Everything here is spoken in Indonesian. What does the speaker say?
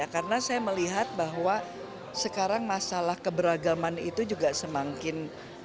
karena saya melihat bahwa sekarang masalah keberagaman itu juga semakin